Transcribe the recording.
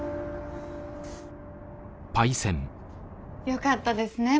よかったですね